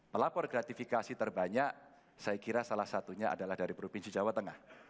pelapor gratifikasi terbanyak saya kira salah satunya adalah dari provinsi jawa tengah